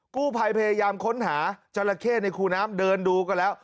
กู้ภัยพยายามค้นหาจราเข้ในคูน้ำเดินดูก็แล้ว